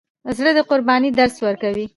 زړه د قربانۍ درس ورکوي.